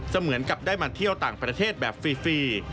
เหมือนกับได้มาเที่ยวต่างประเทศแบบฟรี